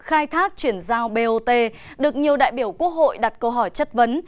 khai thác chuyển giao bot được nhiều đại biểu quốc hội đặt câu hỏi chất vấn